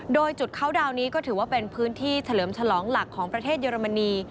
โดยจุดเข้าดาวน์นี้ก็ถือว่าเป็นพื้นที่เฉลิมฉลองหลักของประเทศเยอรมนี